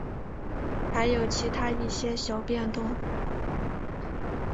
还有其它一些小变动。